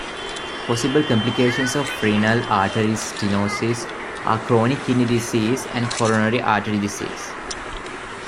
Possible complications of renal artery stenosis are chronic kidney disease and coronary artery disease.